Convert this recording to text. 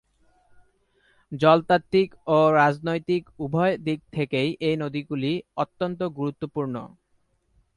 জলতাত্ত্বিক ও রাজনৈতিক উভয় দিক থেকেই এ নদীগুলি অত্যন্ত গুরুত্বপূর্ণ।